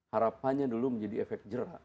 harapannya dulu menjadi efek jerah